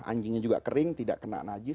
anjingnya juga kering tidak kena najis